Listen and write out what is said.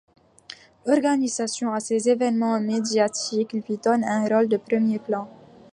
L'organisation de ces évènements médiatiques lui donne un rôle de premier plan.